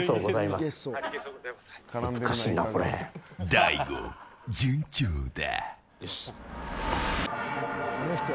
大悟、順調だ。